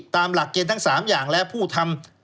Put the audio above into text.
ตามหลักเกณฑ์ทั้ง๓อย่างและผู้ทำ